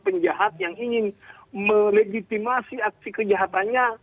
penjahat yang ingin melegitimasi aksi kejahatannya